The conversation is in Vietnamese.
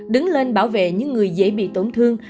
đứng lên bảo vệ những người dễ bị tổn thương